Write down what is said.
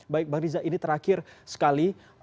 baik bang riza ini terakhir sekali